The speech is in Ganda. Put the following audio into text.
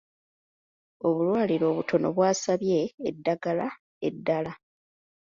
Obulwaliro obutono bwasabye eddagala eddaala.